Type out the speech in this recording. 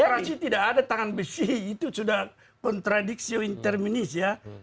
saya rasa tidak ada tangan besi itu sudah kontradiksi interminis ya